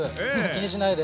気にしないで。